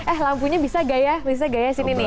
eh lampunya bisa gayah bisa gayah sini nih